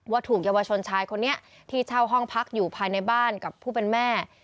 ถูกเยาวชนชายคนนี้ที่เช่าห้องพักอยู่ภายในบ้านกับผู้เป็นแม่